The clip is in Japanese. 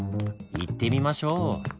行ってみましょう！